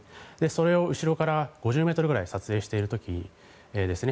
それを後ろから５０ｍぐらいで撮影している時ですね